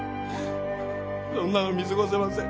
そんなの見過ごせません